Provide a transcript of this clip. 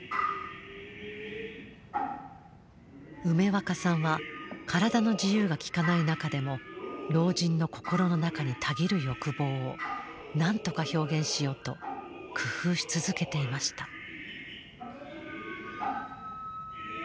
梅若さんは体の自由がきかない中でも老人の心の中にたぎる欲望をなんとか表現しようと工夫し続けていました。